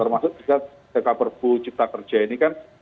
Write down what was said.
termasuk kita dk perpu cipta kerja ini kan